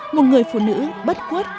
một người phụ nữ bất quất